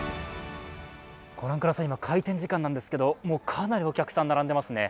御覧ください、今開店時間なんですけどもうかなりお客さん、並んでいますね。